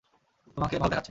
তোমাকে ভালো দেখাচ্ছে।